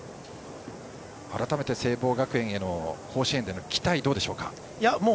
改めて聖望学園への甲子園への期待はどうですか。